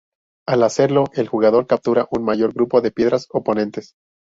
Al hacerlo, el jugador captura un mayor grupo de piedras oponentes.